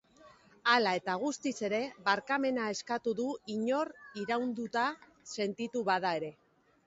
Hala eta guztiz ere, barkamena eskatu du inor irainduta sentitu bada ere.